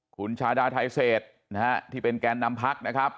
คุณชาดาไทยเศสที่เป็นกรรมนำพัก